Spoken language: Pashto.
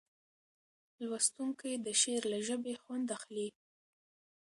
لوستونکی د شعر له ژبې خوند اخلي.